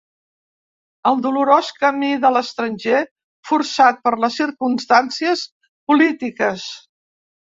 El dolorós camí de l'estranger forçat per les circumstàncies polítiques.